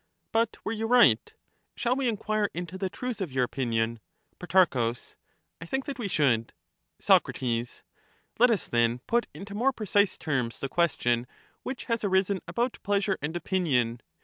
But were you right ? Shall we enquire into the truth Socrates of your opinion? ^^^Z Pro. I think that we should. question. Soc. Let us then put into more precise terms the question which has arisen about pleasure and opinion.